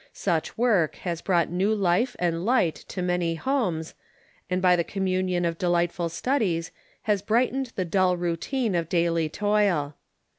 Such work has brought new life and light to many homes, and by the communion of delightful studies has bright ened the dull routine of daily toil.